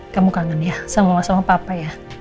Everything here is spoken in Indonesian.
kamu kangen ya sama mama sama papa ya